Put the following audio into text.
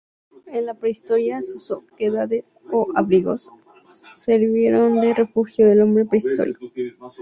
En la prehistoria, sus oquedades o abrigos, sirvieron de refugio al hombre prehistórico.